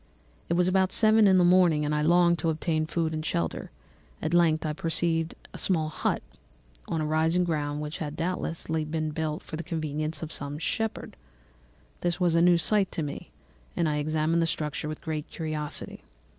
"It was about seven in the morning, and I longed to obtain food and shelter; at length I perceived a small hut, on a rising ground, which had doubtless been built for the convenience of some shepherd. This was a new sight to me, and I examined the structure with great curiosity.